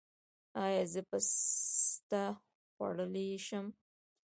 ایا زه پسته خوړلی شم؟